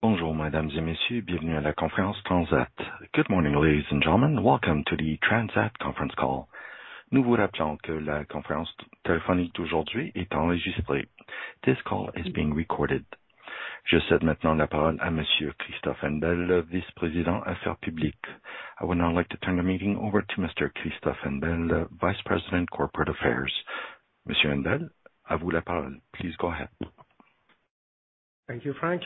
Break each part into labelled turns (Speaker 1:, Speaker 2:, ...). Speaker 1: Bonjour, mesdames et messieurs. Bienvenue à la conférence Transat. Good morning, ladies and gentlemen. Welcome to the Transat conference call. Nous vous rappelons que la conférence téléphonique d'aujourd'hui est enregistrée. This call is being recorded. Je cède maintenant la parole à monsieur Christophe Hennebelle, vice-président affaires publiques. I would now like to turn the meeting over to Mr. Christophe Hennebelle, Vice President corporate affairs. Monsieur Hennebelle, à vous la parole. Please go ahead.
Speaker 2: Thank you, Frank.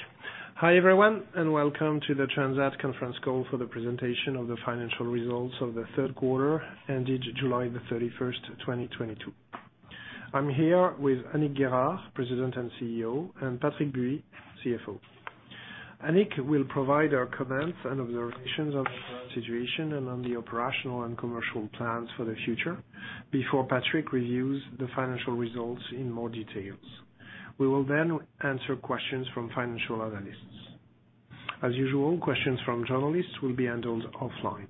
Speaker 2: Hi, everyone, and Welcome to the Transat conference call for the presentation of the financial results of the third quarter ended July 31st, 2022. I'm here with Annick Guérard, President and CEO, and Patrick Bui, CFO. Annick will provide our comments and observations on the current situation and on the operational and commercial plans for the future before Patrick reviews the financial results in more details. We will then answer questions from financial analysts. As usual, questions from journalists will be handled offline.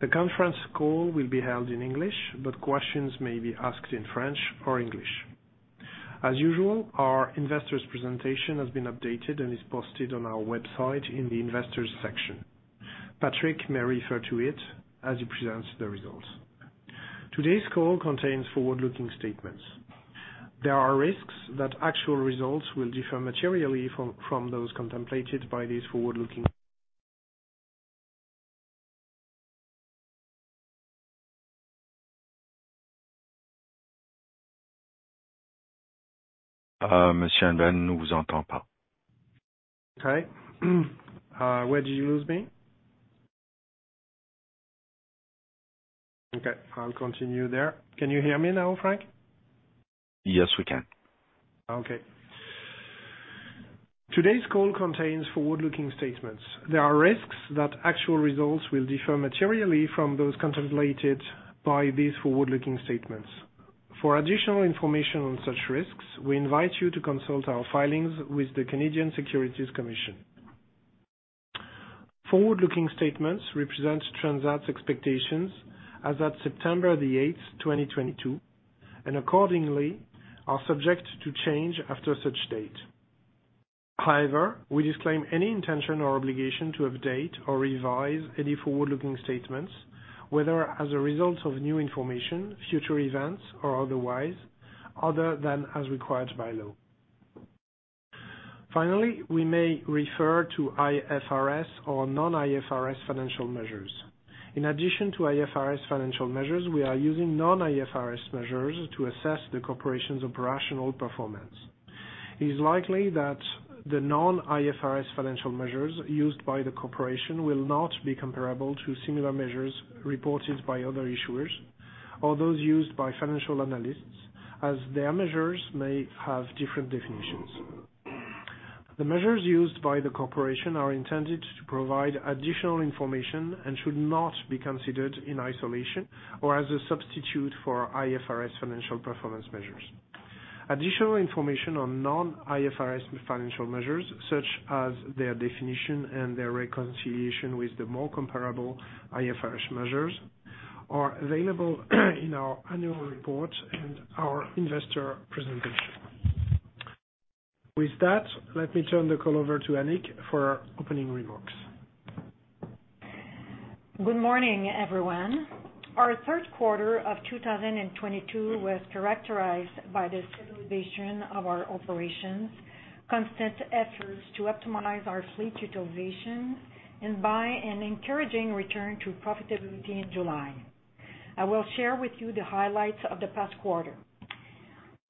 Speaker 2: The conference call will be held in English, but questions may be asked in French or English. As usual, our investors presentation has been updated and is posted on our website in the investors section. Patrick may refer to it as he presents the results. Today's call contains forward-looking statements. There are risks that actual results will differ materially from those contemplated by these forward-looking.
Speaker 1: Monsieur Hennebelle, on ne vous entend pas.
Speaker 2: Okay. Where did you lose me? Okay, I'll continue there. Can you hear me now, Frank?
Speaker 1: Yes, we can.
Speaker 2: Okay. Today's call contains forward-looking statements. There are risks that actual results will differ materially from those contemplated by these forward-looking statements. For additional information on such risks, we invite you to consult our filings with the Canadian Securities Administrators. Forward-looking statements represent Transat's expectations as at September 8th, 2022, and accordingly are subject to change after such date. However, we disclaim any intention or obligation to update or revise any forward-looking statements, whether as a result of new information, future events, or otherwise, other than as required by law. Finally, we may refer to IFRS or non-IFRS financial measures. In addition to IFRS financial measures, we are using non-IFRS measures to assess the corporation's operational performance. It is likely that the non-IFRS financial measures used by the corporation will not be comparable to similar measures reported by other issuers or those used by financial analysts, as their measures may have different definitions. The measures used by the corporation are intended to provide additional information and should not be considered in isolation or as a substitute for IFRS financial performance measures. Additional information on non-IFRS financial measures, such as their definition and their reconciliation with the more comparable IFRS measures, are available in our annual report and our investor presentation. With that, let me turn the call over to Annick Guérard for opening remarks.
Speaker 3: Good morning, everyone. Our third quarter of 2022 was characterized by the stabilization of our operations, constant efforts to optimize our fleet utilization, and by an encouraging return to profitability in July. I will share with you the highlights of the past quarter.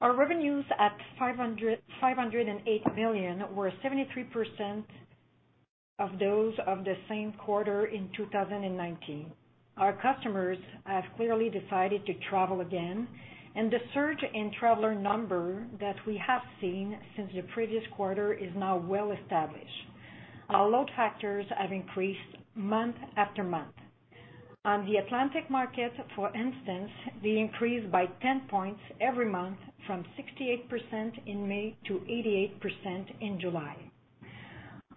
Speaker 3: Our revenues at 508 million were 73% of those of the same quarter in 2019. Our customers have clearly decided to travel again, and the surge in traveler number that we have seen since the previous quarter is now well established. Our load factors have increased month after month. On the Atlantic market, for instance, they increased by 10 points every month from 68% in May to 88% in July.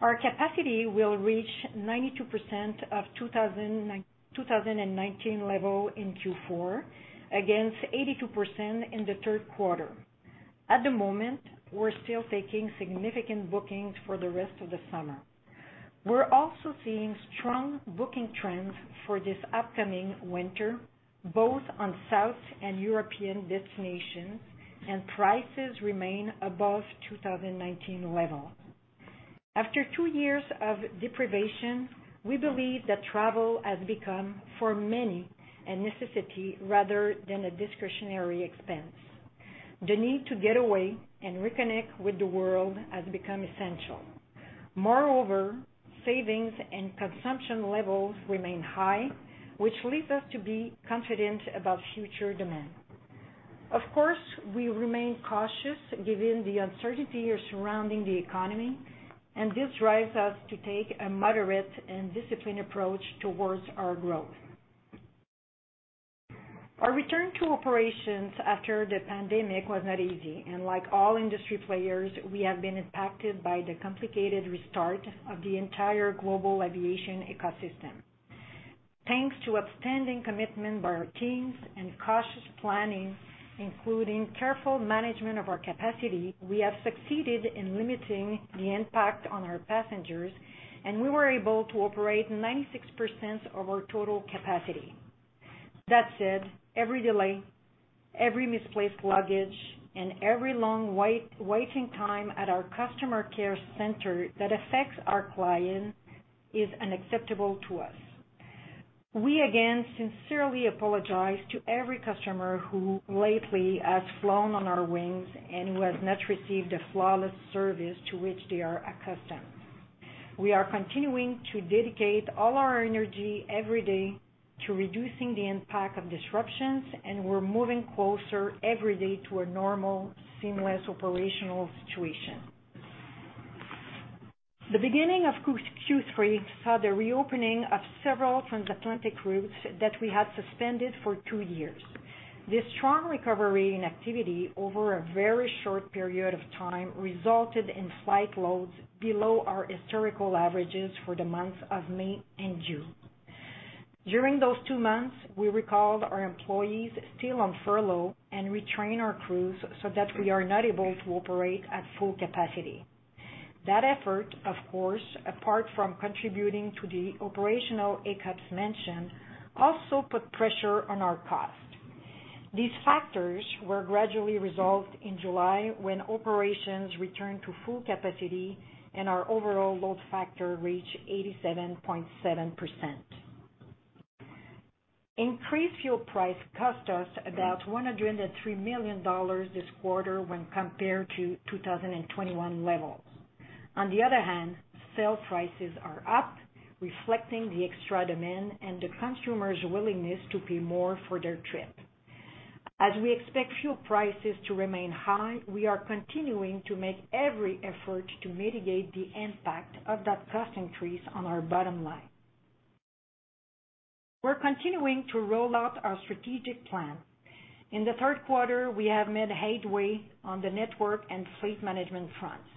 Speaker 3: Our capacity will reach 92% of 2019 level in Q4, against 82% in the third quarter. At the moment, we're still taking significant bookings for the rest of the summer. We're also seeing strong booking trends for this upcoming winter, both on South and European destinations, and prices remain above 2019 level. After two years of deprivation, we believe that travel has become, for many, a necessity rather than a discretionary expense. The need to get away and reconnect with the world has become essential. Moreover, savings and consumption levels remain high, which leads us to be confident about future demand. Of course, we remain cautious given the uncertainty surrounding the economy, and this drives us to take a moderate and disciplined approach towards our growth. Our return to operations after the pandemic was not easy, and like all industry players, we have been impacted by the complicated restart of the entire global aviation ecosystem. Thanks to outstanding commitment by our teams and cautious planning, including careful management of our capacity, we have succeeded in limiting the impact on our passengers, and we were able to operate 96% of our total capacity. That said, every delay, every misplaced luggage, and every long waiting time at our customer care center that affects our client is unacceptable to us. We again sincerely apologize to every customer who lately has flown on our wings and who has not received the flawless service to which they are accustomed. We are continuing to dedicate all our energy every day to reducing the impact of disruptions, and we're moving closer every day to a normal, seamless operational situation. The beginning of Q3 saw the reopening of several transatlantic routes that we had suspended for two years. This strong recovery in activity over a very short period of time resulted in flight loads below our historical averages for the months of May and June. During those two months, we recalled our employees still on furlough and retrained our crews so that we are now able to operate at full capacity. That effort, of course, apart from contributing to the operational gaps mentioned, also put pressure on our costs. These factors were gradually resolved in July when operations returned to full capacity and our overall load factor reached 87.7%. Increased fuel prices cost us about 103 million dollars this quarter when compared to 2021 levels. On the other hand, sale prices are up, reflecting the extra demand and the consumer's willingness to pay more for their trip. As we expect fuel prices to remain high, we are continuing to make every effort to mitigate the impact of that cost increase on our bottom line. We're continuing to roll out our strategic plan. In the third quarter, we have made headway on the network and fleet management fronts.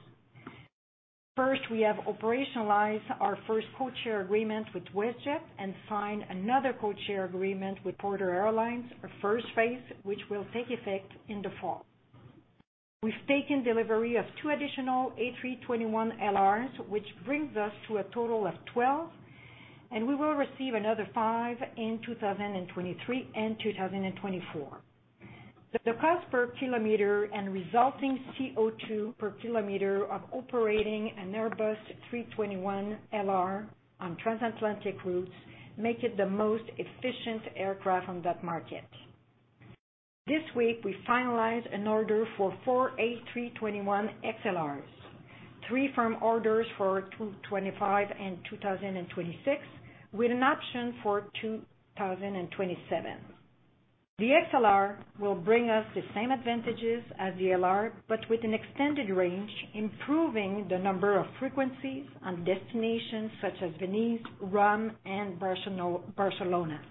Speaker 3: First, we have operationalized our first codeshare agreement with WestJet and signed another codeshare agreement with Porter Airlines, our first phase, which will take effect in the fall. We've taken delivery of two additional A321LRs, which brings us to a total of 12, and we will receive another five in 2023 and 2024. The cost per kilometer and resulting CO2 per kilometer of operating an Airbus 321LR on transatlantic routes make it the most efficient aircraft on that market. This week, we finalized an order for 4 A321XLRs, three firm orders for 2025 and 2026, with an option for 2027. The XLR will bring us the same advantages as the LR, but with an extended range, improving the number of frequencies on destinations such as Venice, Rome, and Barcelona.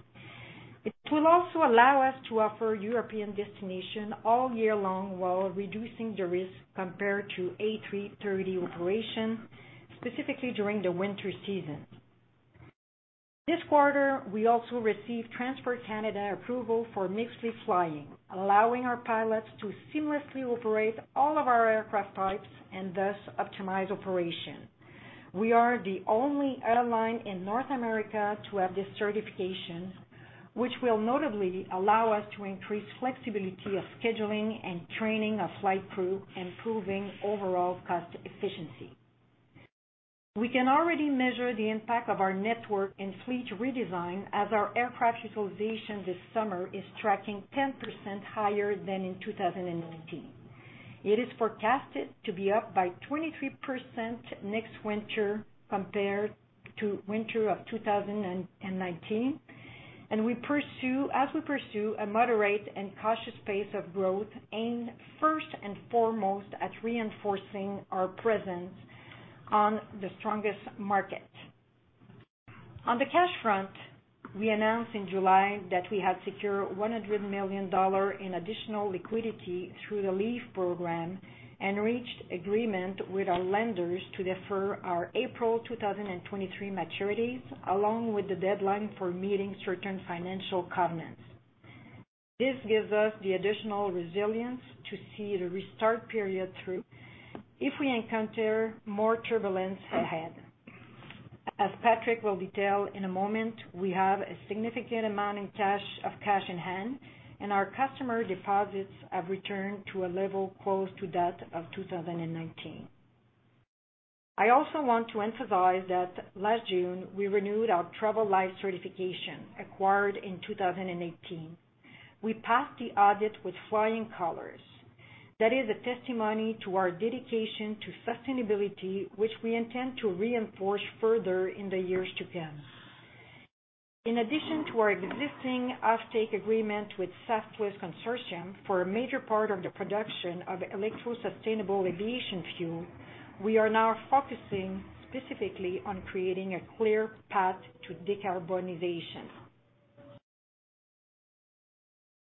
Speaker 3: It will also allow us to offer European destinations all year long while reducing the risk compared to A330 operation, specifically during the winter season. This quarter, we also received Transport Canada approval for Mixed Fleet Flying, allowing our pilots to seamlessly operate all of our aircraft types and thus optimize operations. We are the only airline in North America to have this certification, which will notably allow us to increase flexibility of scheduling and training of flight crew, improving overall cost efficiency. We can already measure the impact of our network and fleet redesign as our aircraft utilization this summer is tracking 10% higher than in 2019. It is forecasted to be up by 23% next winter compared to winter of 2019, as we pursue a moderate and cautious pace of growth aimed first and foremost at reinforcing our presence on the strongest market. On the cash front, we announced in July that we had secured 100 million dollars in additional liquidity through the LEEFF program and reached agreement with our lenders to defer our April 2023 maturities, along with the deadline for meeting certain financial covenants. This gives us the additional resilience to see the restart period through if we encounter more turbulence ahead. As Patrick will detail in a moment, we have a significant amount in cash, of cash in hand, and our customer deposits have returned to a level close to that of 2019. I also want to emphasize that last June we renewed our Travelife certification acquired in 2018. We passed the audit with flying colors. That is a testimony to our dedication to sustainability, which we intend to reinforce further in the years to come. In addition to our existing offtake agreement with SAF+ Consortium for a major part of the production of electro-sustainable aviation fuel, we are now focusing specifically on creating a clear path to decarbonization.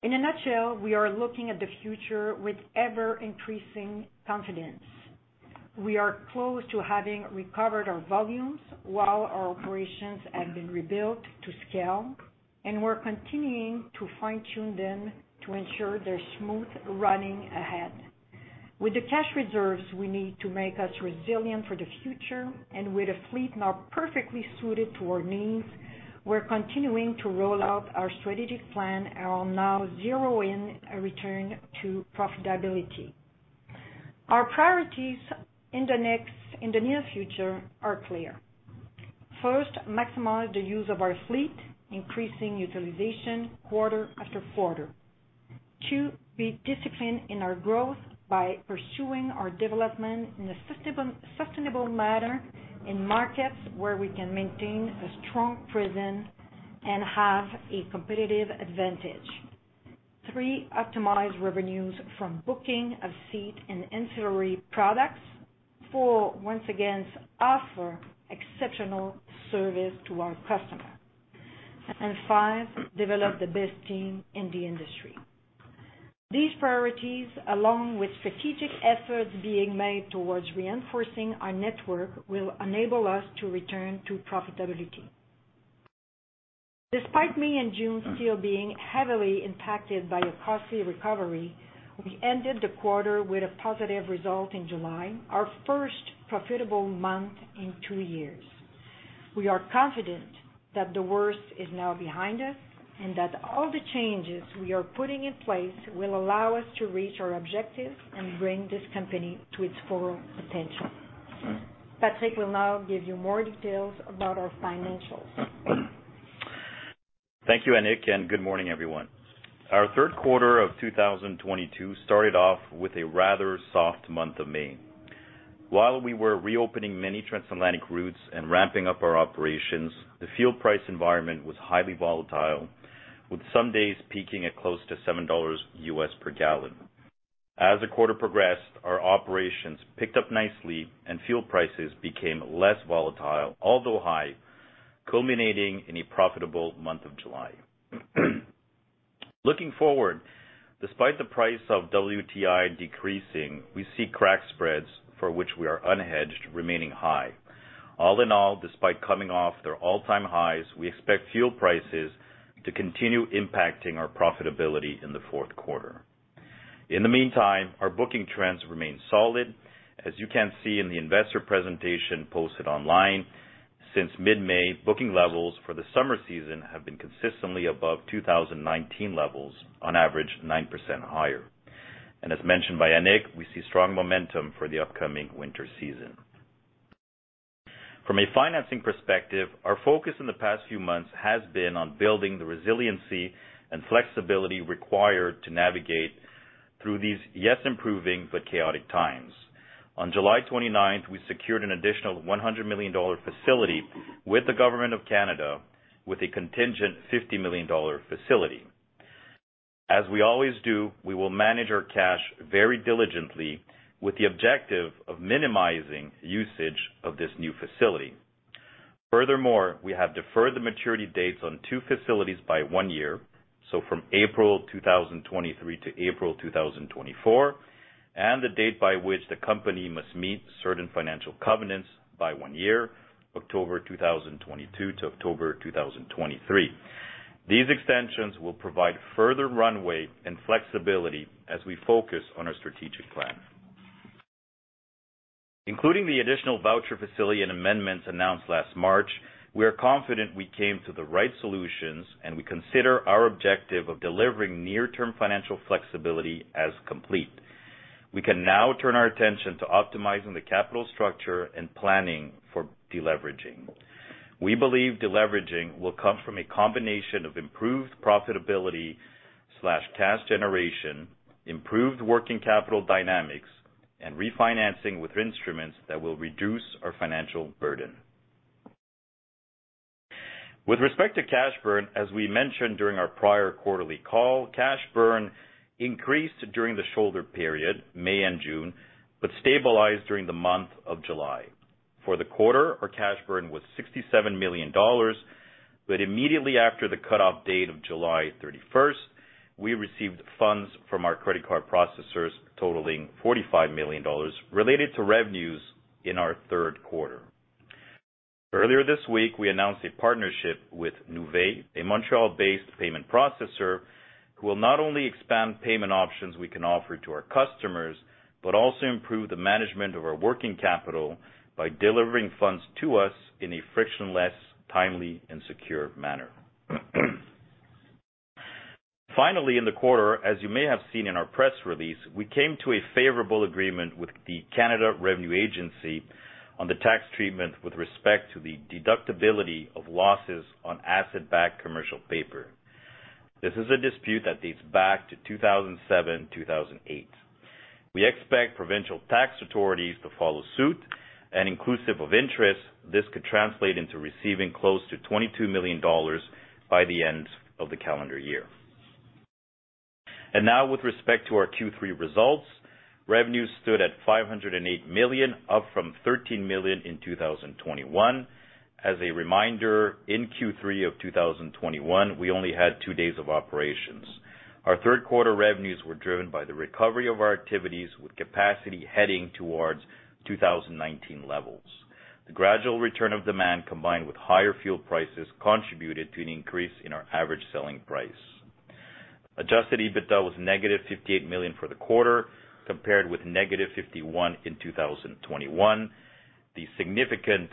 Speaker 3: In a nutshell, we are looking at the future with ever-increasing confidence. We are close to having recovered our volumes while our operations have been rebuilt to scale, and we're continuing to fine-tune them to ensure they're smooth running ahead. With the cash reserves we need to make us resilient for the future, and with a fleet now perfectly suited to our needs, we're continuing to roll out our strategic plan and will now zero in a return to profitability. Our priorities in the near future are clear. First, maximize the use of our fleet, increasing utilization quarter after quarter. Two, be disciplined in our growth by pursuing our development in a sustainable manner in markets where we can maintain a strong presence and have a competitive advantage. Three, optimize revenues from booking of seats and ancillary products. Four, once again, offer exceptional service to our customers. Five, develop the best team in the industry. These priorities, along with strategic efforts being made towards reinforcing our network, will enable us to return to profitability. Despite May and June still being heavily impacted by a costly recovery, we ended the quarter with a positive result in July, our first profitable month in two years. We are confident that the worst is now behind us, and that all the changes we are putting in place will allow us to reach our objectives and bring this company to its full potential. Patrick will now give you more details about our financials.
Speaker 4: Thank you, Annick, and good morning, everyone. Our third quarter of 2022 started off with a rather soft month of May. While we were reopening many transatlantic routes and ramping up our operations, the fuel price environment was highly volatile, with some days peaking at close to $7 per gallon. As the quarter progressed, our operations picked up nicely and fuel prices became less volatile, although high, culminating in a profitable month of July. Looking forward, despite the price of WTI decreasing, we see crack spreads for which we are unhedged remaining high. All in all, despite coming off their all-time highs, we expect fuel prices to continue impacting our profitability in the fourth quarter. In the meantime, our booking trends remain solid. As you can see in the investor presentation posted online, since mid-May, booking levels for the summer season have been consistently above 2019 levels, on average 9% higher. As mentioned by Annick, we see strong momentum for the upcoming winter season. From a financing perspective, our focus in the past few months has been on building the resiliency and flexibility required to navigate through these, yes, improving, but chaotic times. On July 29th, we secured an additional 100 million dollar facility with the Government of Canada with a contingent 50 million dollar facility. As we always do, we will manage our cash very diligently with the objective of minimizing usage of this new facility. Furthermore, we have deferred the maturity dates on two facilities by one year, so from April 2023 to April 2024, and the date by which the company must meet certain financial covenants by one year, October 2022 to October 2023. These extensions will provide further runway and flexibility as we focus on our strategic plan. Including the additional voucher facility and amendments announced last March, we are confident we came to the right solutions, and we consider our objective of delivering near-term financial flexibility as complete. We can now turn our attention to optimizing the capital structure and planning for deleveraging. We believe deleveraging will come from a combination of improved profitability/cash generation, improved working capital dynamics, and refinancing with instruments that will reduce our financial burden. With respect to cash burn, as we mentioned during our prior quarterly call, cash burn increased during the shoulder period, May and June, but stabilized during the month of July. For the quarter, our cash burn was 67 million dollars, but immediately after the cutoff date of July 31st, we received funds from our credit card processors totaling 45 million dollars related to revenues in our third quarter. Earlier this week, we announced a partnership with Nuvei, a Montreal-based payment processor, who will not only expand payment options we can offer to our customers, but also improve the management of our working capital by delivering funds to us in a frictionless, timely and secure manner. Finally, in the quarter, as you may have seen in our press release, we came to a favorable agreement with the Canada Revenue Agency on the tax treatment with respect to the deductibility of losses on asset-backed commercial paper. This is a dispute that dates back to 2007, 2008. We expect provincial tax authorities to follow suit, and inclusive of interest, this could translate into receiving close to 22 million dollars by the end of the calendar year. Now with respect to our Q3 results, revenues stood at 508 million, up from 13 million in 2021. As a reminder, in Q3 of 2021, we only had two days of operations. Our third quarter revenues were driven by the recovery of our activities with capacity heading towards 2019 levels. The gradual return of demand, combined with higher fuel prices, contributed to an increase in our average selling price. Adjusted EBITDA was -58 million for the quarter compared with -51 million in 2021. The significant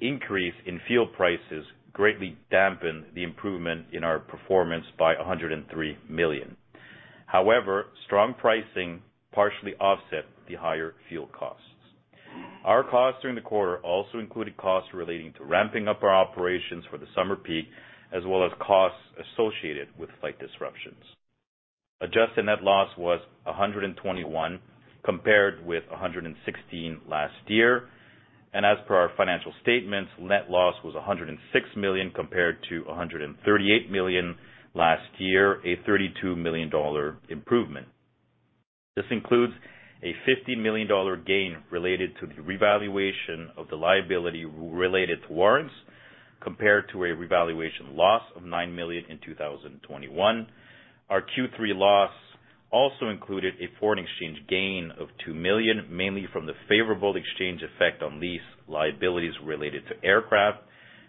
Speaker 4: increase in fuel prices greatly dampened the improvement in our performance by 103 million. However, strong pricing partially offset the higher fuel costs. Our costs during the quarter also included costs relating to ramping up our operations for the summer peak, as well as costs associated with flight disruptions. Adjusted net loss was 121 million, compared with 116 million last year. As per our financial statements, net loss was 106 million compared to 138 million last year, a CAD 32 million improvement. This includes a CAD 50 million gain related to the revaluation of the liability related to warrants compared to a revaluation loss of 9 million in 2021. Our Q3 loss also included a foreign exchange gain of 2 million, mainly from the favorable exchange effect on lease liabilities related to aircraft,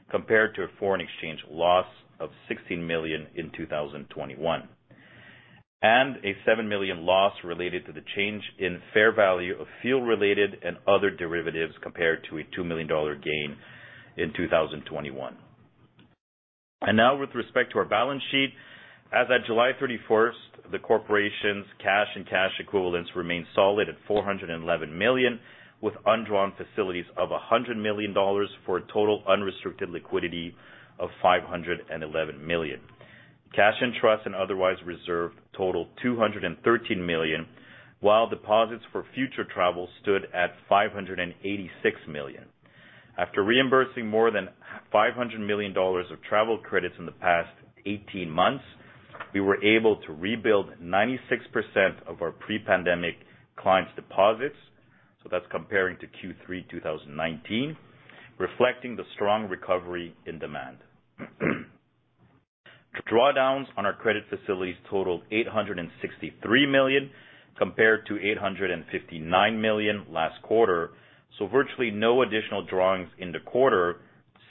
Speaker 4: compared to a foreign exchange loss of CAD 16 million in 2021. A CAD 7 million loss related to the change in fair value of fuel related and other derivatives, compared to a 2 million dollar gain in 2021. Now with respect to our balance sheet, as at July 31st, the corporation's cash and cash equivalents remain solid at 411 million, with undrawn facilities of 100 million dollars for a total unrestricted liquidity of 511 million. Cash and trust and otherwise reserved total 213 million, while deposits for future travel stood at 586 million. After reimbursing more than 500 million dollars of travel credits in the past 18 months, we were able to rebuild 96% of our pre-pandemic clients deposits. That's comparing to Q3 2019, reflecting the strong recovery in demand. Drawdowns on our credit facilities totaled 863 million, compared to 859 million last quarter. Virtually no additional drawings in the quarter,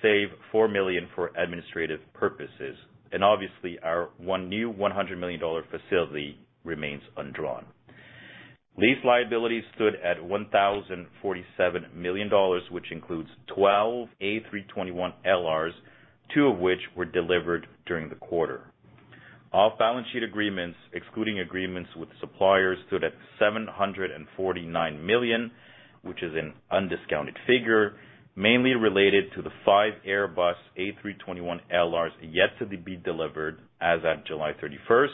Speaker 4: save 4 million for administrative purposes. Obviously, our one new 100 million dollar facility remains undrawn. Lease liabilities stood at 1,047 million dollars, which includes 12 A321LRs, two of which were delivered during the quarter. Off balance sheet agreements, excluding agreements with suppliers, stood at 749 million, which is an undiscounted figure, mainly related to the five Airbus A321LRs yet to be delivered as at July 31st.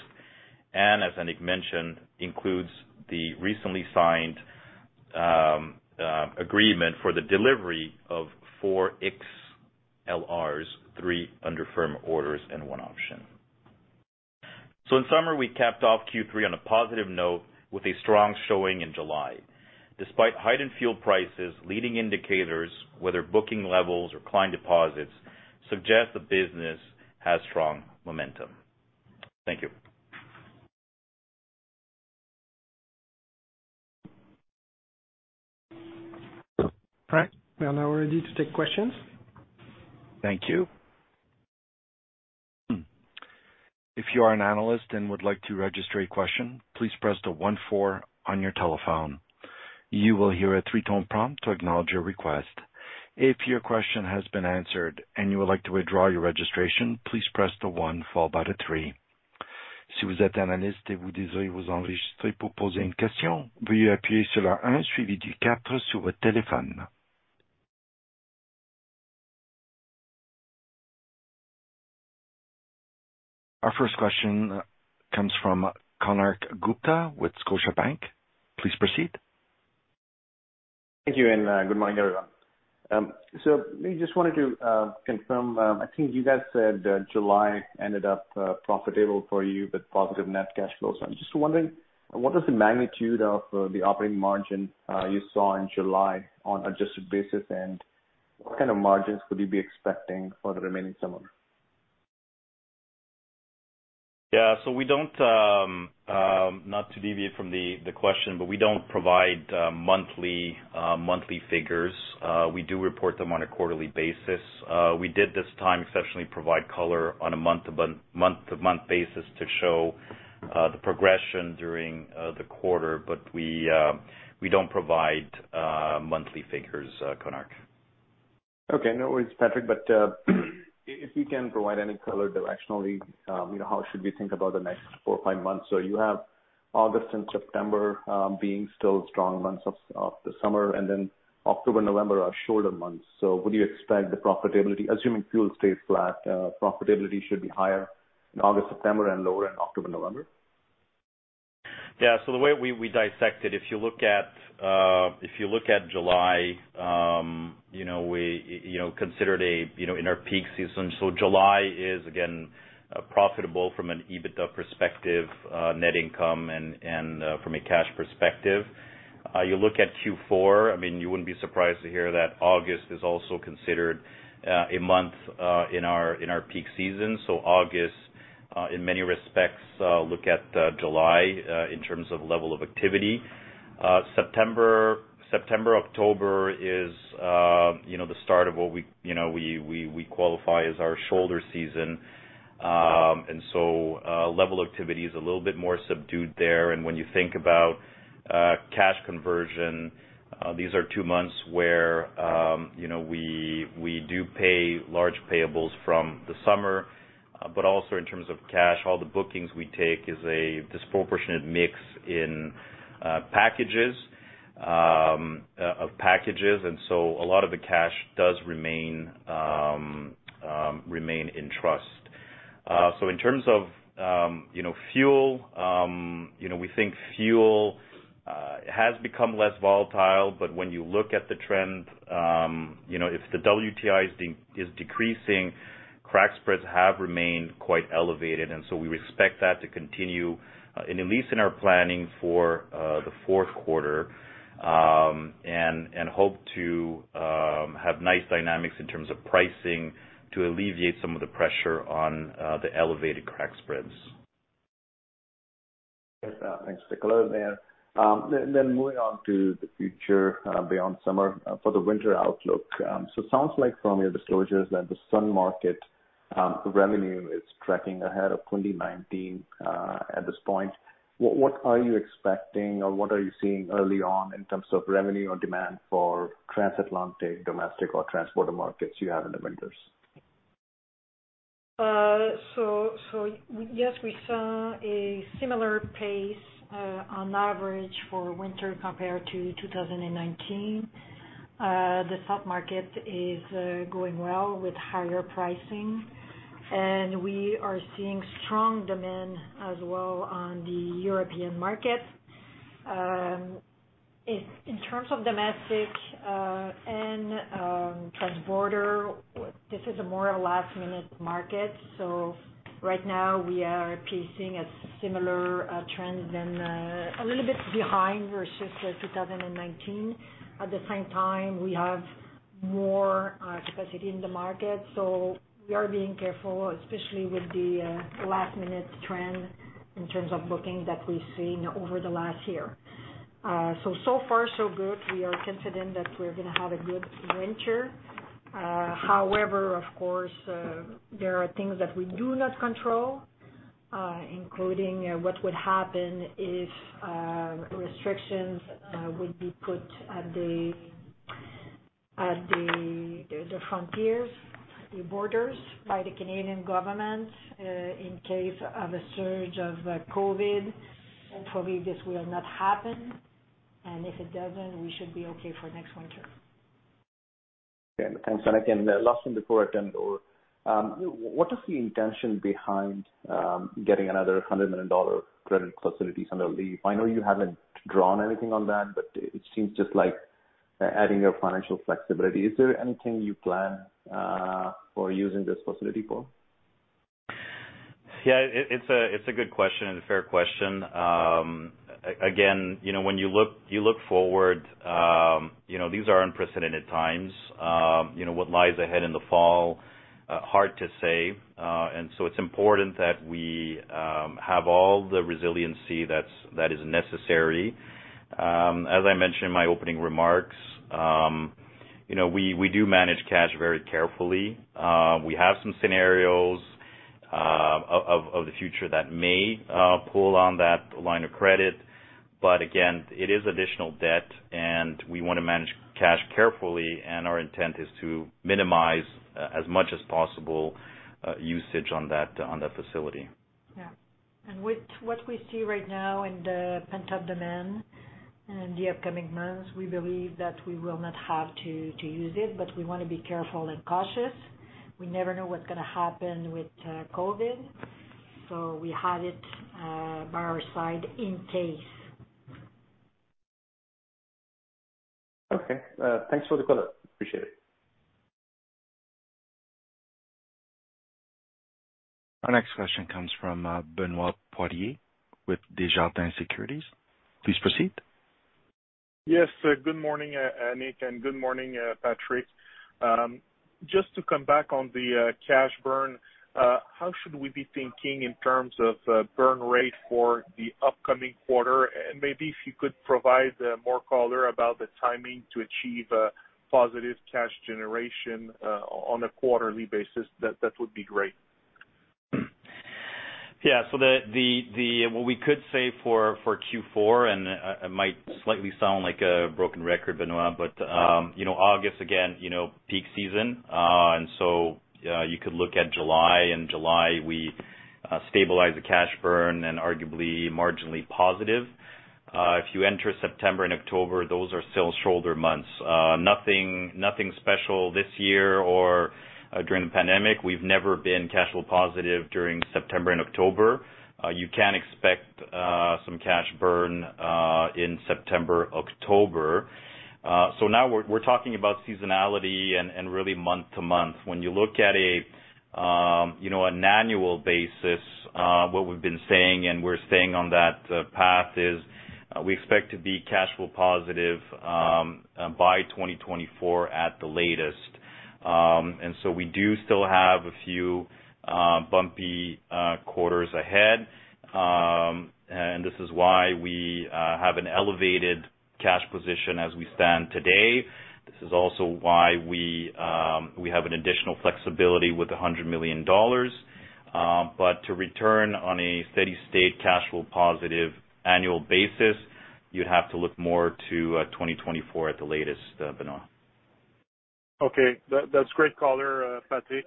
Speaker 4: As Annick mentioned, includes the recently signed agreement for the delivery of four A321XLRs, three under firm orders and one option. In summer, we capped off Q3 on a positive note with a strong showing in July. Despite heightened fuel prices, leading indicators, whether booking levels or client deposits, suggest the business has strong momentum. Thank you.
Speaker 2: All right, we are now ready to take questions.
Speaker 1: Thank you. If you are an analyst and would like to register a question, please press the one four on your telephone. You will hear a three-tone prompt to acknowledge your request. If your question has been answered and you would like to withdraw your registration, please press the one followed by the three. Our first question comes from Konark Gupta with Scotiabank. Please proceed.
Speaker 5: Thank you, good morning, everyone. Let me just wanted to confirm, I think you guys said that July ended up profitable for you with positive net cash flow. I'm just wondering, what was the magnitude of the operating margin you saw in July on adjusted basis? What kind of margins could you be expecting for the remaining summer?
Speaker 4: Yeah. Not to deviate from the question, but we don't provide monthly figures. We do report them on a quarterly basis. We did this time exceptionally provide color on a month-to-month basis to show the progression during the quarter. We don't provide monthly figures, Konark.
Speaker 5: Okay. No worries, Patrick. But if you can provide any color directionally, you know, how should we think about the next four or five months? You have August and September being still strong months of the summer, and then October, November are shorter months. Would you expect the profitability, assuming fuel stays flat, profitability should be higher in August, September, and lower in October, November?
Speaker 4: The way we dissect it, if you look at July, you know, we you know considered a you know in our peak season. July is again profitable from an EBITDA perspective, net income and from a cash perspective. You look at Q4, I mean, you wouldn't be surprised to hear that August is also considered a month in our peak season. August in many respects look at July in terms of level of activity. September, October is you know the start of what we you know qualify as our shoulder season. Level activity is a little bit more subdued there. When you think about cash conversion, these are two months where, you know, we do pay large payables from the summer. But also in terms of cash, all the bookings we take is a disproportionate mix of packages. A lot of the cash does remain in trust. So in terms of, you know, fuel, you know, we think fuel has become less volatile, but when you look at the trend, you know, if the WTI is decreasing, crack spreads have remained quite elevated. We expect that to continue in at least our planning for the fourth quarter, and hope to have nice dynamics in terms of pricing to alleviate some of the pressure on the elevated crack spreads.
Speaker 5: Yeah. Thanks for the color there. Then moving on to the future, for the winter outlook. It sounds like from your disclosures that the sun market revenue is tracking ahead of 2019 at this point. What are you expecting or what are you seeing early on in terms of revenue or demand for transatlantic, domestic or Transat markets you have in the winters?
Speaker 3: Yes, we saw a similar pace on average for winter compared to 2019. The Sun market is going well with higher pricing, and we are seeing strong demand as well on the European market. In terms of domestic and transborder, this is more of a last-minute market. Right now, we are pacing a similar trend to a little bit behind versus 2019. At the same time, we have more capacity in the market, so we are being careful, especially with the last-minute trend in terms of booking that we've seen over the last year. So far so good. We are confident that we're gonna have a good winter. However, of course, there are things that we do not control, including what would happen if restrictions would be put at the frontiers, the borders by the Canadian government in case of a surge of COVID. Hopefully, this will not happen, and if it doesn't, we should be okay for next winter.
Speaker 5: Okay. Thanks. Again, last one before I turn it over. What is the intention behind getting another 100 million dollar credit facility under LEEFF? I know you haven't drawn anything on that, but it seems just like adding your financial flexibility. Is there anything you plan for using this facility for?
Speaker 4: Yeah, it's a good question and a fair question. Again, you know, when you look forward, you know, these are unprecedented times. You know, what lies ahead in the fall, hard to say. It's important that we have all the resiliency that is necessary. As I mentioned in my opening remarks, you know, we do manage cash very carefully. We have some scenarios of the future that may pull on that line of credit, but again, it is additional debt, and we wanna manage cash carefully, and our intent is to minimize as much as possible usage on that facility.
Speaker 3: Yeah. With what we see right now in the pent-up demand in the upcoming months, we believe that we will not have to use it, but we wanna be careful and cautious. We never know what's gonna happen with COVID, so we have it by our side in case.
Speaker 5: Okay. Thanks for the color. Appreciate it.
Speaker 1: Our next question comes from, Benoit Poirier with Desjardins Securities. Please proceed.
Speaker 6: Yes. Good morning, Annick, and good morning, Patrick. Just to come back on the cash burn, how should we be thinking in terms of burn rate for the upcoming quarter? Maybe if you could provide more color about the timing to achieve positive cash generation on a quarterly basis, that would be great.
Speaker 4: Yeah. The what we could say for Q4, and I might slightly sound like a broken record, Benoit, but you know, August again, you know, peak season. You could look at July. In July, we stabilized the cash burn and arguably marginally positive. If you enter September and October, those are still shoulder months. Nothing special this year or during the pandemic. We've never been cash flow positive during September and October. You can expect some cash burn in September, October. Now we're talking about seasonality and really month to month. When you look at an annual basis, what we've been saying and we're staying on that path is, we expect to be cash flow positive by 2024 at the latest. We do still have a few bumpy quarters ahead, and this is why we have an elevated cash position as we stand today. This is also why we have an additional flexibility with 100 million dollars. To return on a steady state cash flow positive annual basis, you'd have to look more to 2024 at the latest, Benoit.
Speaker 6: Okay. That's great color, Patrick.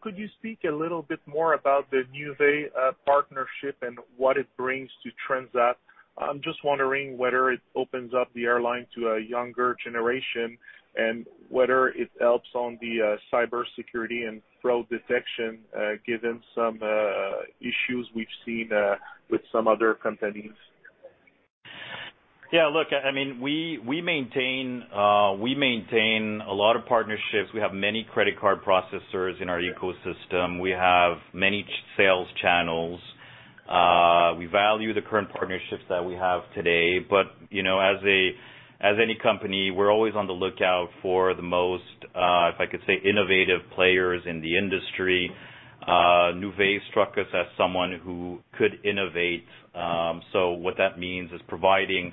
Speaker 6: Could you speak a little bit more about the Nuvei partnership and what it brings to Transat? I'm just wondering whether it opens up the airline to a younger generation and whether it helps on the cybersecurity and fraud detection, given some issues we've seen with some other companies.
Speaker 4: Yeah, look, I mean, we maintain a lot of partnerships. We have many credit card processors in our ecosystem. We have many sales channels. We value the current partnerships that we have today. You know, as any company, we're always on the lookout for the most, if I could say, innovative players in the industry. Nuvei struck us as someone who could innovate. What that means is providing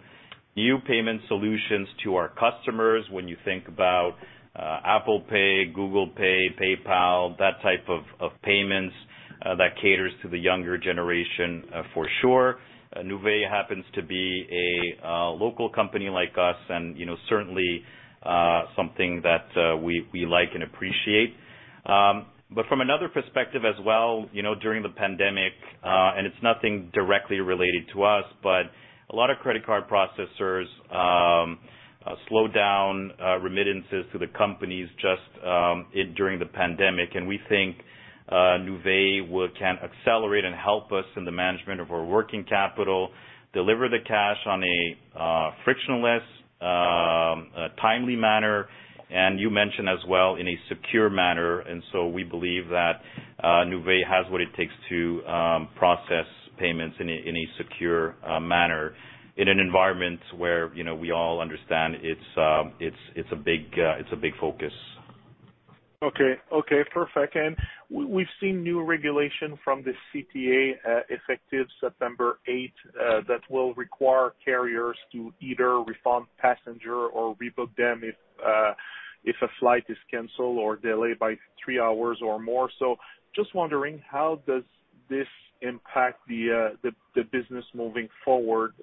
Speaker 4: new payment solutions to our customers when you think about, Apple Pay, Google Pay, PayPal, that type of payments, that caters to the younger generation, for sure. Nuvei happens to be a local company like us and, you know, certainly, something that, we like and appreciate. From another perspective as well, you know, during the pandemic, and it's nothing directly related to us, but a lot of credit card processors slowed down remittances to the companies just during the pandemic. We think Nuvei can accelerate and help us in the management of our working capital, deliver the cash on a frictionless, timely manner, and you mentioned as well, in a secure manner. We believe that Nuvei has what it takes to process payments in a secure manner in an environment where, you know, we all understand it's a big focus.
Speaker 6: Okay. Okay. Perfect. We've seen new regulation from the CTA, effective September 8th that will require carriers to either refund passenger or rebook them if a flight is canceled or delayed by three hours or more. Just wondering, how does this impact the business moving forward?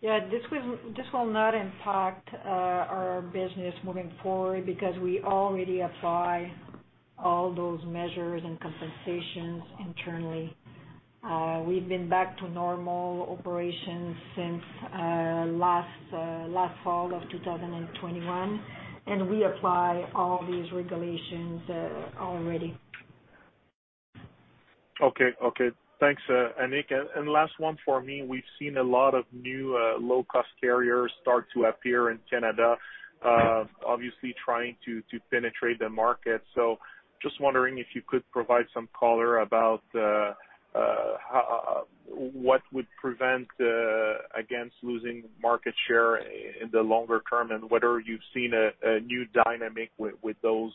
Speaker 3: Yeah. This will not impact our business moving forward because we already apply all those measures and compensations internally. We've been back to normal operations since last fall of 2021, and we apply all these regulations already.
Speaker 6: Okay. Thanks, Annick. Last one for me. We've seen a lot of new low-cost carriers start to appear in Canada, obviously trying to penetrate the market. Just wondering if you could provide some color about what would prevent against losing market share in the longer term and whether you've seen a new dynamic with those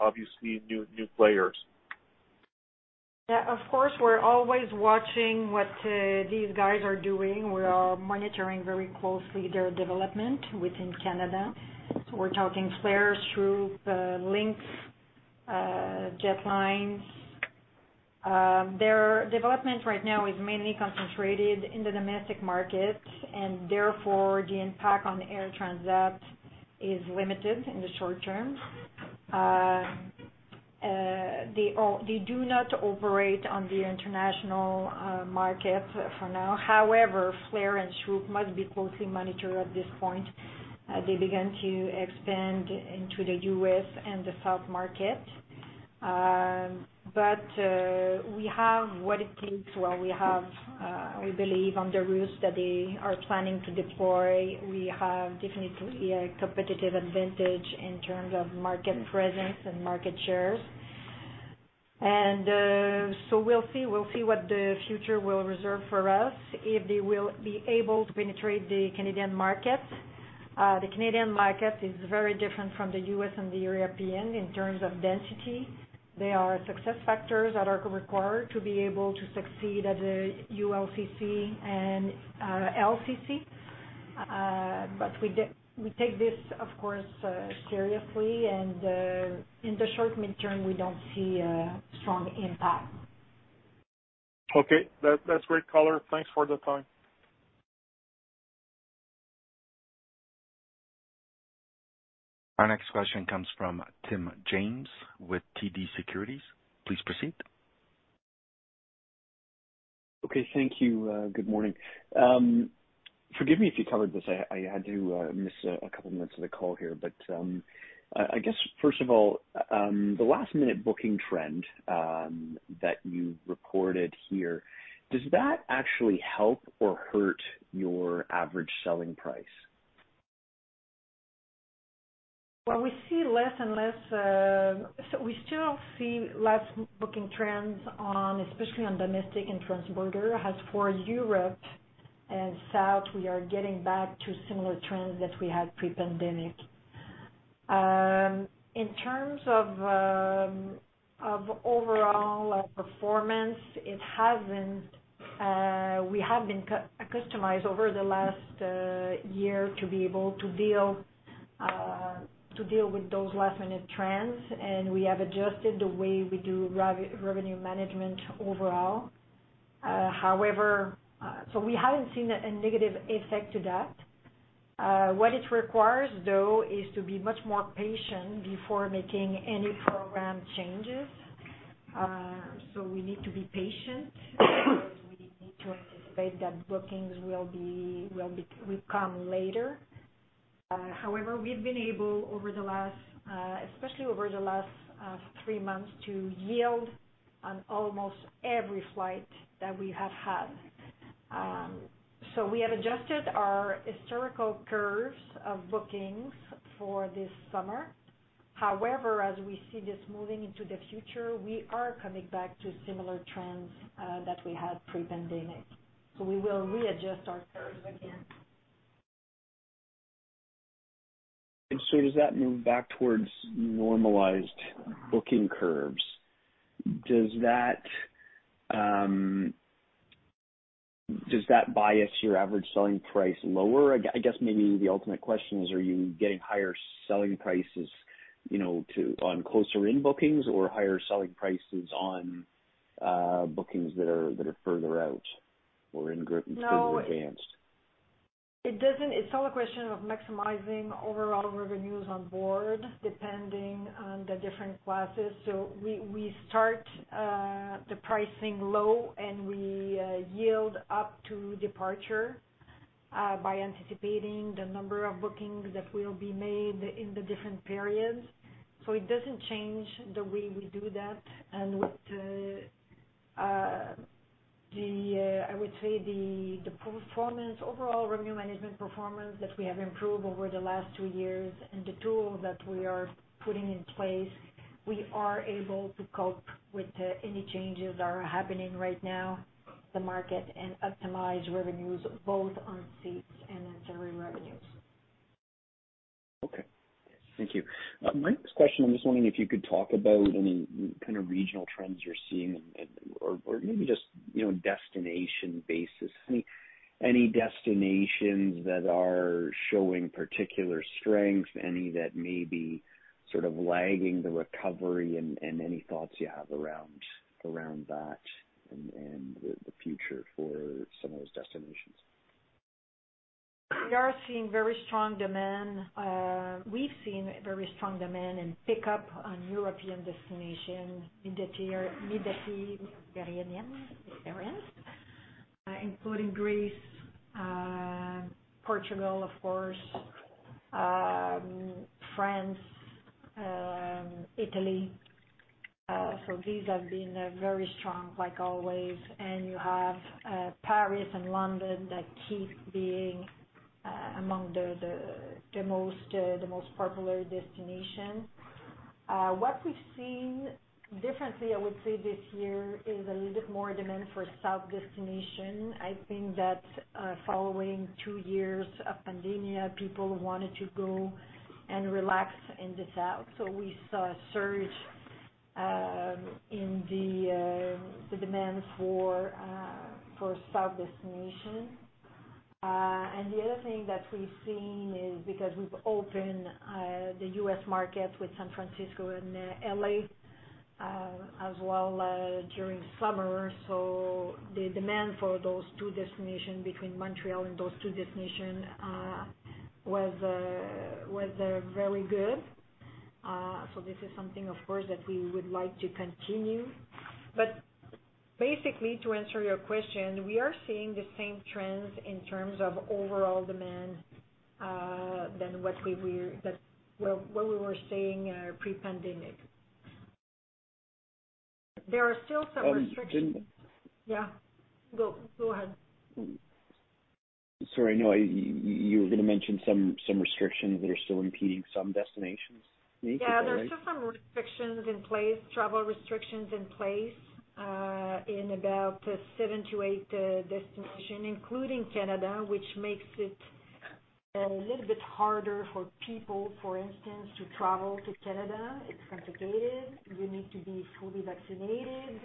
Speaker 6: obviously new players.
Speaker 3: Yeah, of course, we're always watching what these guys are doing. We are monitoring very closely their development within Canada. We're talking Flair, Swoop, Lynx, Jetlines. Their development right now is mainly concentrated in the domestic market, and therefore, the impact on Air Transat is limited in the short term. They do not operate on the international market for now. However, Flair and Swoop must be closely monitored at this point. They began to expand into the U.S. and the South market. We have what it takes while we have, we believe on the routes that they are planning to deploy. We have definitely a competitive advantage in terms of market presence and market shares. We'll see. We'll see what the future will reserve for us if they will be able to penetrate the Canadian market. The Canadian market is very different from the U.S. and the European in terms of density. There are success factors that are required to be able to succeed as a ULCC and LCC. We take this, of course, seriously, and in the short mid-term, we don't see a strong impact.
Speaker 6: Okay. That's great color. Thanks for the time.
Speaker 1: Our next question comes from Tim James with TD Securities. Please proceed.
Speaker 7: Okay, thank you. Good morning. Forgive me if you covered this. I had to miss a couple minutes of the call here. I guess, first of all, the last minute booking trend that you reported here, does that actually help or hurt your average selling price?
Speaker 3: Well, we see less and less. We still see last booking trends on, especially on domestic and transborder. As for Europe and South, we are getting back to similar trends that we had pre-pandemic. In terms of overall performance, we have been accustomed over the last year to be able to deal with those last minute trends, and we have adjusted the way we do revenue management overall. However, we haven't seen a negative effect to that. What it requires, though, is to be much more patient before making any program changes. We need to be patient because we need to anticipate that bookings will come later. However, we've been able, over the last, especially over the last three months, to yield on almost every flight that we have had. We have adjusted our historical curves of bookings for this summer. However, as we see this moving into the future, we are coming back to similar trends that we had pre-pandemic. We will readjust our curves again.
Speaker 7: Does that move back towards normalized booking curves? Does that, does that bias your average selling price lower? I guess maybe the ultimate question is, are you getting higher selling prices, you know, to, on closer in bookings or higher selling prices on, bookings that are further out or in group-
Speaker 3: No
Speaker 7: advanced?
Speaker 3: It doesn't. It's all a question of maximizing overall revenues on board, depending on the different classes. We start the pricing low, and we yield up to departure by anticipating the number of bookings that will be made in the different periods. It doesn't change the way we do that. With the, I would say the performance, overall revenue management performance that we have improved over the last two years and the tool that we are putting in place, we are able to cope with any changes that are happening right now, the market, and optimize revenues both on seats and ancillary revenues.
Speaker 7: Okay. Thank you. My next question, I'm just wondering if you could talk about any kind of regional trends you're seeing and or maybe just, you know, destination basis. Any destinations that are showing particular strength, any that may be sort of lagging the recovery, and any thoughts you have around that and the future for some of those destinations.
Speaker 3: We are seeing very strong demand. We've seen very strong demand and pickup on European destinations, Mediterranean, including Greece, Portugal, of course, France, Italy. These have been very strong like always. You have Paris and London that keep being among the most popular destinations. What we've seen differently, I would say this year is a little bit more demand for South destination. I think that following two years of pandemia, people wanted to go and relax in the South. We saw a surge in the demand for South destination. The other thing that we've seen is because we've opened the U.S. market with San Francisco and L.A. as well during summer. The demand for those two destinations between Montreal and those two destinations was very good. This is something of course that we would like to continue. Basically, to answer your question, we are seeing the same trends in terms of overall demand than what we were seeing pre-pandemic. There are still some restrictions.
Speaker 7: Um, then-
Speaker 3: Yeah. Go ahead.
Speaker 7: Sorry, no, you were gonna mention some restrictions that are still impeding some destinations maybe, right?
Speaker 3: Yeah, there are still some restrictions in place, travel restrictions in place, in about seven to eight destinations, including Canada, which makes it a little bit harder for people, for instance, to travel to Canada. It's complicated. You need to be fully vaccinated.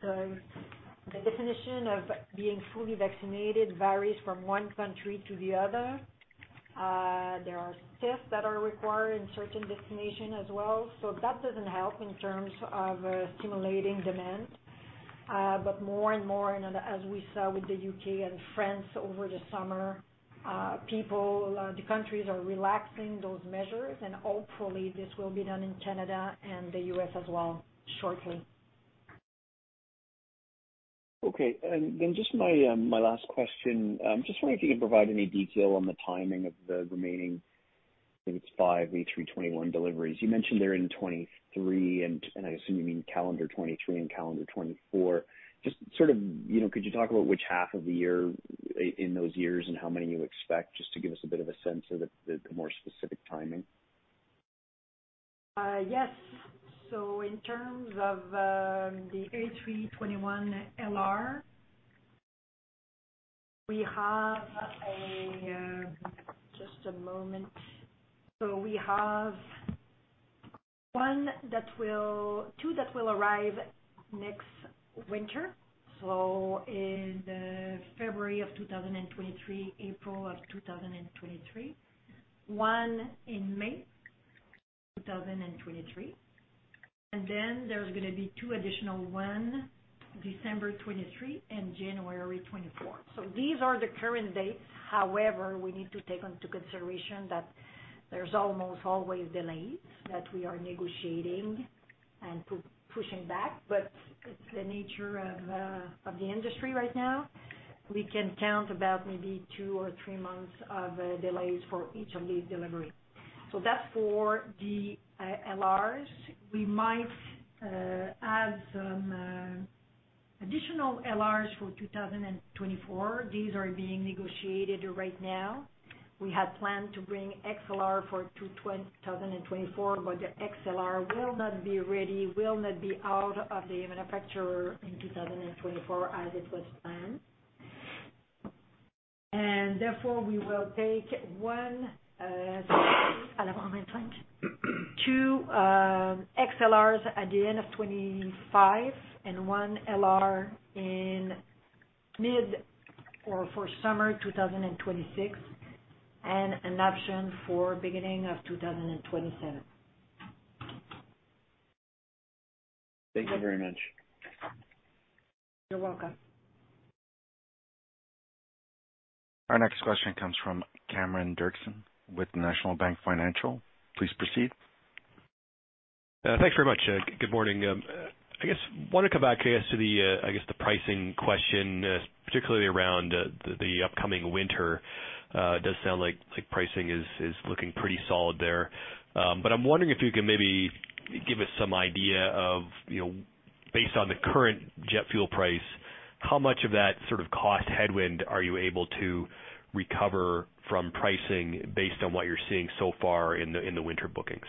Speaker 3: The definition of being fully vaccinated varies from one country to the other. There are tests that are required in certain destinations as well. So that doesn't help in terms of stimulating demand. More and more, and as we saw with the U.K. and France over the summer, the countries are relaxing those measures, and hopefully this will be done in Canada and the U.S. as well shortly.
Speaker 7: Okay. Just my last question. Just wondering if you can provide any detail on the timing of the remaining, I think it's 5 A321 deliveries. You mentioned they're in 2023, and I assume you mean calendar 2023 and calendar 2024. Just sort of, you know, could you talk about which half of the year in those years and how many you expect, just to give us a bit of a sense of the more specific timing?
Speaker 3: Yes. In terms of the A321LR, we have two that will arrive next winter, so in February 2023, April 2023. One in May 2023. Then there's gonna be two additional, one in December 2023 and January 2024. These are the current dates. However, we need to take into consideration that there's almost always delays that we are negotiating and pushing back, but it's the nature of the industry right now. We can count about maybe two or three months of delays for each of these deliveries. That's for the LRs. We might add some additional LRs for 2024. These are being negotiated right now. We had planned to bring XLR for 2024, but the XLR will not be ready, will not be out of the manufacturer in 2024 as it was planned. Therefore, we will take two XLRs at the end of 2025 and one LR in mid or for summer 2026, and an option for beginning of 2027.
Speaker 7: Thank you very much.
Speaker 3: You're welcome.
Speaker 1: Our next question comes from Cameron Doerksen with National Bank Financial. Please proceed.
Speaker 8: Thanks very much. Good morning. I guess want to come back, I guess, to the I guess the pricing question, particularly around the upcoming winter. Does sound like pricing is looking pretty solid there. I'm wondering if you can maybe give us some idea of, you know, based on the current jet fuel price, how much of that sort of cost headwind are you able to recover from pricing based on what you're seeing so far in the winter bookings?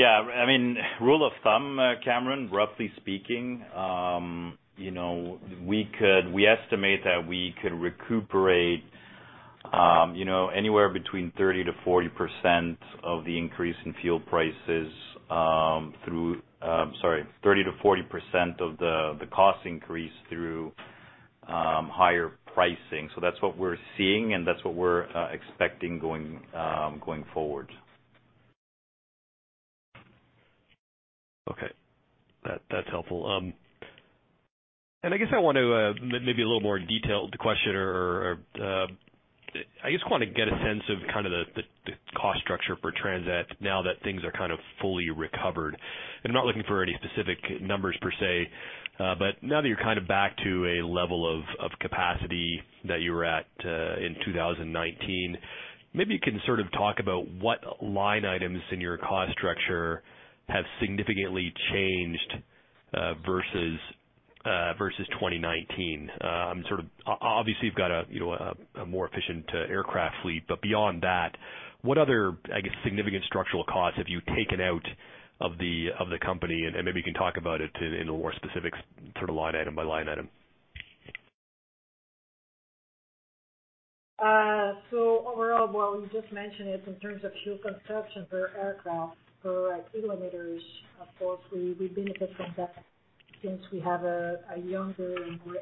Speaker 4: I mean, rule of thumb, Cameron, roughly speaking, you know, we estimate that we could recuperate anywhere between 30%-40% of the cost increase through higher pricing. That's what we're seeing and that's what we're expecting going forward.
Speaker 8: Okay. That's helpful. I guess I want to get a sense of kind of the cost structure for Transat now that things are kind of fully recovered. I'm not looking for any specific numbers per se, but now that you're kind of back to a level of capacity that you were at in 2019, maybe you can sort of talk about what line items in your cost structure have significantly changed versus 2019. Sort of, obviously you've got, you know, a more efficient aircraft fleet, but beyond that, what other, I guess, significant structural costs have you taken out of the company? Maybe you can talk about it to, in a more specific sort of line item by line item.
Speaker 3: You just mentioned it in terms of fuel consumption per aircraft, per kilometers. Of course, we benefit from that since we have a younger and more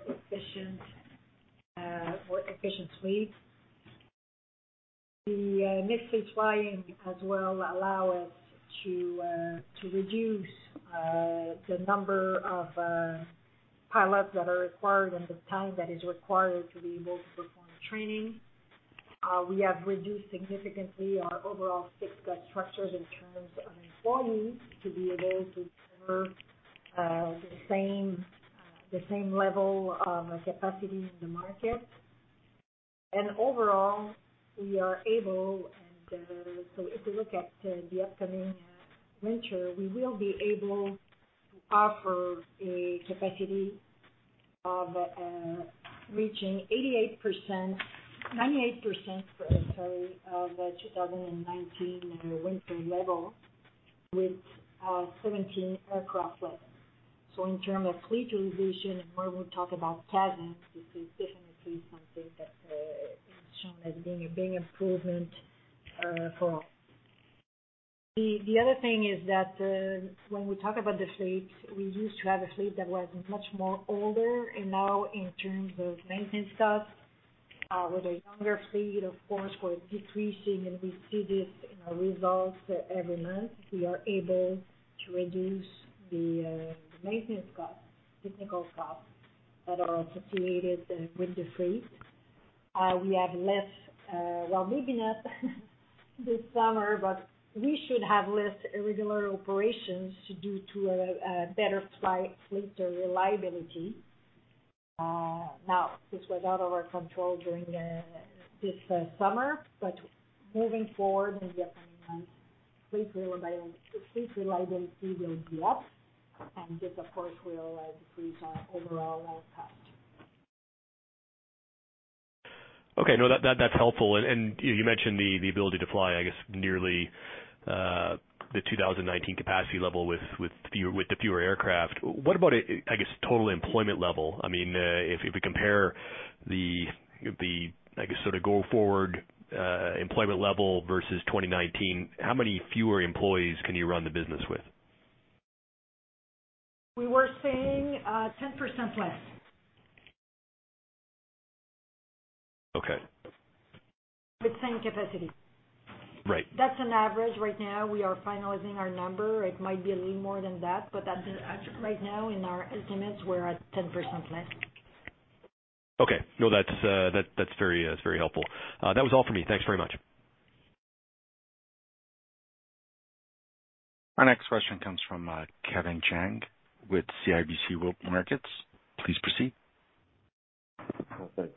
Speaker 3: efficient fleet. The mixed flying as well allow us to reduce the number of pilots that are required and the time that is required to be able to perform training. We have reduced significantly our overall fixed cost structures in terms of employees to be able to serve the same level of capacity in the market. Overall, we are able. If you look at the upcoming winter, we will be able to offer a capacity of reaching 98%, sorry, of the 2019 winter level with 17 aircraft less. In terms of fleet resolution and when we talk about cadence, this is definitely something that is shown as being a big improvement for us. The other thing is that when we talk about the fleet, we used to have a fleet that was much more older, and now in terms of maintenance costs, with a younger fleet, of course, we're decreasing, and we see this in our results every month. We are able to reduce the maintenance costs, technical costs that are associated with the fleet. We have less, well, maybe not this summer, but we should have less irregular operations due to a better fleet reliability. Now this was out of our control during this summer, but moving forward in the upcoming months, fleet reliability will be up, and this of course will decrease our overall cost.
Speaker 8: Okay. No, that's helpful. You mentioned the ability to fly, I guess, nearly the 2019 capacity level with fewer aircraft. What about total employment level, I guess? I mean, if we compare the go forward employment level versus 2019, how many fewer employees can you run the business with?
Speaker 3: We were saying, 10% less.
Speaker 8: Okay.
Speaker 3: With same capacity.
Speaker 8: Right.
Speaker 3: That's an average right now. We are finalizing our number. It might be a little more than that, but that's an average right now in our estimates, we're at 10% less.
Speaker 8: Okay. No, that's very helpful. That was all for me. Thanks very much.
Speaker 1: Our next question comes from Kevin Chiang with CIBC World Markets. Please proceed.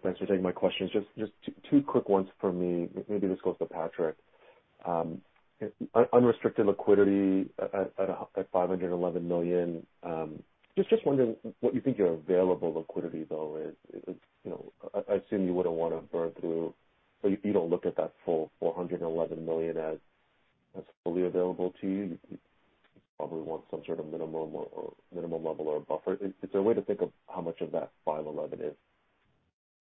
Speaker 9: Thanks for taking my questions. Just two quick ones for me. Maybe this goes to Patrick. Unrestricted liquidity at 511 million. Just wondering what you think your available liquidity though is. It's. You know, I assume you wouldn't wanna burn through or you don't look at that full 411 million as fully available to you. You probably want some sort of minimum level or a buffer. Is there a way to think of how much of that 511 is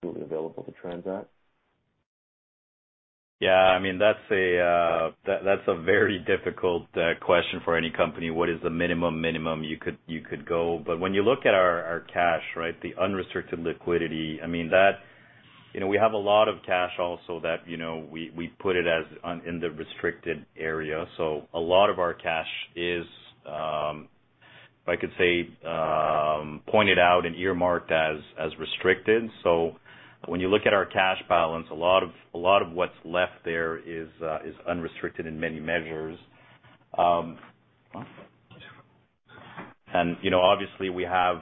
Speaker 9: fully available to Transat?
Speaker 4: Yeah, I mean, that's a very difficult question for any company. What is the minimum you could go. When you look at our cash, right? The unrestricted liquidity, I mean, that. You know, we have a lot of cash also that, you know, we put it in the restricted area. A lot of our cash is, if I could say, pointed out and earmarked as restricted. When you look at our cash balance, a lot of what's left there is unrestricted in many measures. You know, obviously we have.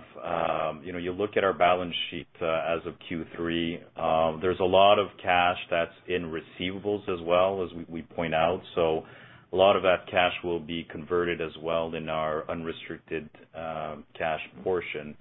Speaker 4: You know, you look at our balance sheet as of Q3, there's a lot of cash that's in receivables as well as we point out. A lot of that cash will be converted as well in our unrestricted cash portion.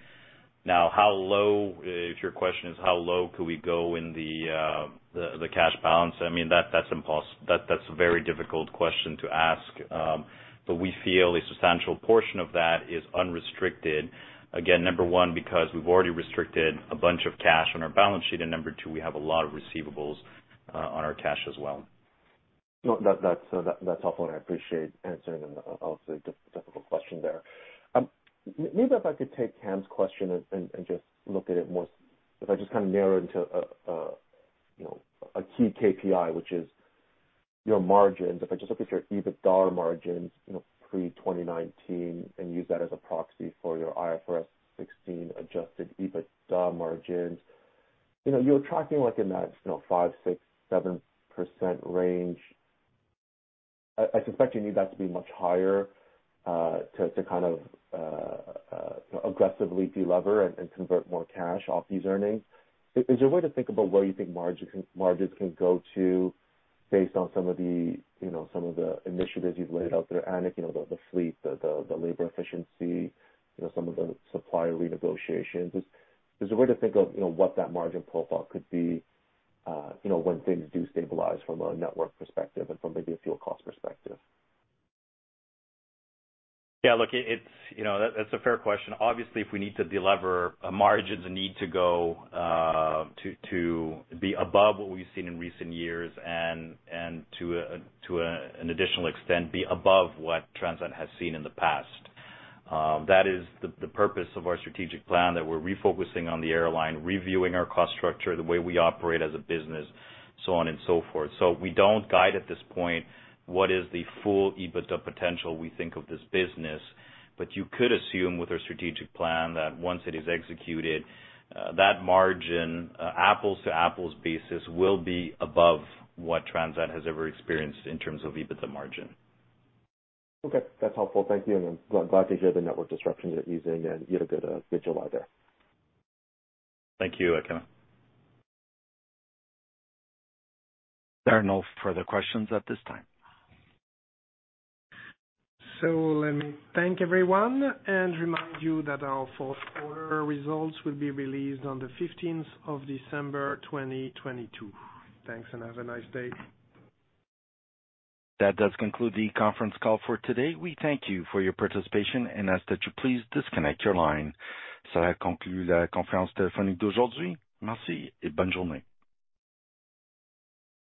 Speaker 4: Now, how low? If your question is how low could we go in the cash balance? I mean, that's a very difficult question to ask. But we feel a substantial portion of that is unrestricted. Again, number one, because we've already restricted a bunch of cash on our balance sheet. Number two, we have a lot of receivables on our cash as well.
Speaker 9: No, that's helpful, and I appreciate answering an obviously difficult question there. Maybe if I could take Cam's question and just look at it more. If I just kind of narrow into a, you know, a key KPI, which is your margins. If I just look at your EBITDA margins, you know, pre-2019 and use that as a proxy for your IFRS 16 adjusted EBITDA margins. You know, you're tracking like in that, you know, 5%-7% range. I suspect you need that to be much higher, to kind of aggressively de-lever and convert more cash off these earnings. Is there a way to think about where you think margins can go to based on some of the, you know, some of the initiatives you've laid out there? You know, the fleet, the labor efficiency, you know, some of the supplier renegotiations. Is there a way to think of, you know, what that margin profile could be, you know, when things do stabilize from a network perspective and from maybe a fuel cost perspective?
Speaker 4: Yeah. Look, it's a fair question. Obviously, if we need to de-lever, our margins need to go to be above what we've seen in recent years and to an additional extent, be above what Transat has seen in the past. That is the purpose of our strategic plan, that we're refocusing on the airline, reviewing our cost structure, the way we operate as a business, so on and so forth. We don't guide at this point what is the full EBITDA potential we think of this business. You could assume with our strategic plan that once it is executed, that margin, apples to apples basis, will be above what Transat has ever experienced in terms of EBITDA margin.
Speaker 9: Okay. That's helpful. Thank you, and I'm glad to hear the network disruptions are easing and you had a good July there.
Speaker 4: Thank you. I cannot.
Speaker 1: There are no further questions at this time.
Speaker 3: Let me thank everyone and remind you that our fourth quarter results will be released on the fifteenth of December, 2022. Thanks, and have a nice day.
Speaker 1: That does conclude the conference call for today. We thank you for your participation and ask that you please disconnect your line.